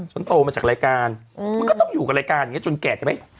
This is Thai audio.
ฉันโตมาจากรายการอืมมันก็ต้องอยู่กับรายการอย่างเงี้ยจนแก่จับไป